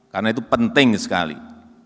karena itu penting sekali